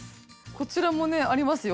こちらもねありますよ。